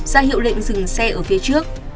ra hiệu lệnh dừng xe ở phía trước